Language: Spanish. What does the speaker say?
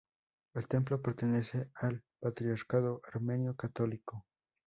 El templo pertenece al Patriarcado Armenio Católico.